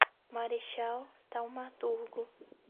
Marechal Thaumaturgo